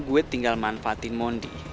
gue tinggal manfaatin mondi